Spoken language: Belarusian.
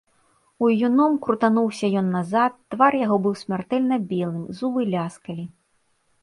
Уюном крутануўся ён назад, твар яго быў смяртэльна белым, зубы ляскалі.